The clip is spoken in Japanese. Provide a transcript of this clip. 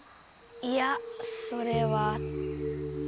いやそれは。